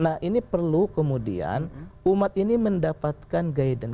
nah ini perlu kemudian umat ini mendapatkan guidance